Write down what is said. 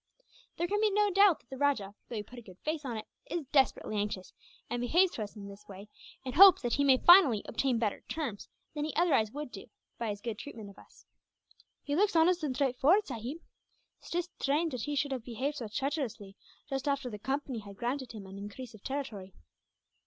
There can be no doubt that the rajah, though he put a good face on it, is desperately anxious; and behaves to us in this way, in hopes that he may finally obtain better terms than he otherwise would do, by his good treatment of us." "He looks honest and straightforward, sahib. 'Tis strange that he should have behaved so treacherously, just after the Company had granted him an increase of territory."